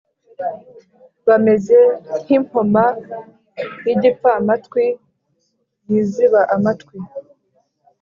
Bameze nk impoma y igipfamatwi yiziba amatwi